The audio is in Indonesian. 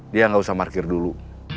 dia gak usah markir dulu